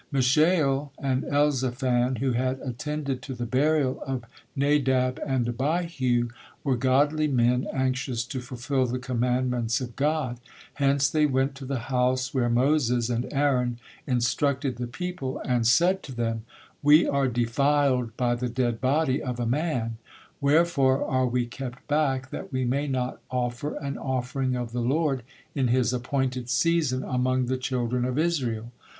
Mishael and Elzaphan, who had attended to the burial of Nadab and Abihu, were godly men, anxious to fulfil the commandments of God, hence they went to the house where Moses and Aaron instructed the people, and said to them: "We are defiled by the dead body of a man; wherefore are we kept back that we may not offer an offering of the Lord in His appointed season among the children of Israel?"